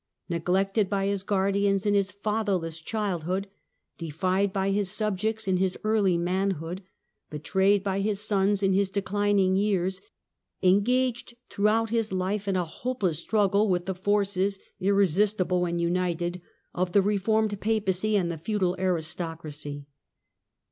neglected by his guardians in his fatherless childhood, defied by his subjects in his early manhood, betrayed by his sons in his declining years, engaged throughout his life in a hopeless struggle with the forces, irresistible when united, of the reformed Papacy and the feudal aristocracy.